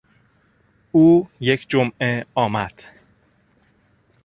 او یک جمعه آمد.